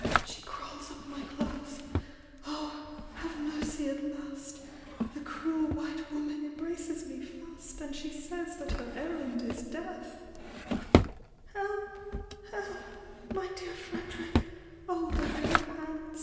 She crawls up my clothes — oh ! have mercy at last, The cruel white woman embraces me fast! And she says that her errand is death. .„ THE WHITE WOMAN. 121 "Help! help! my clear Fred'rick ! where are your hands